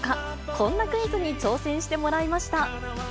こんなクイズに挑戦してもらいました。